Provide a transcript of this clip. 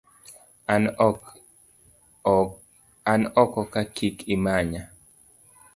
An oko ka kik imanya.